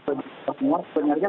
dan bisa semua penyelidikan